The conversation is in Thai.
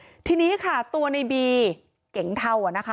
แต่แท็กซี่เขาก็บอกว่าแท็กซี่ควรจะถอยควรจะหลบหน่อยเพราะเก่งเทาเนี่ยเลยไปเต็มคันแล้ว